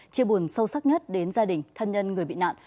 chia buồn sâu sắc nhất đến gia đình thân nhân người bị nạn